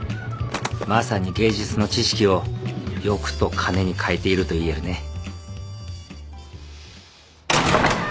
まさに芸術の知識を欲と金に換えているといえるね。